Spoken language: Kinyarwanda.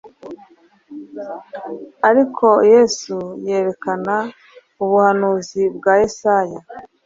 ariko Yesu yerekana ubuhanuzi bwa Yesaya